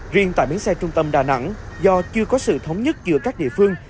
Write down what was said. riêng tại bến xe trung tâm đà nẵng do chưa có sự thống nhất giữa các địa phương